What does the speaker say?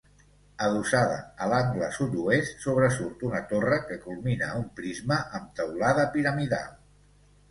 Adossada a l'angle sud-oest sobresurt una torre que culmina un prisma amb teulada piramidal.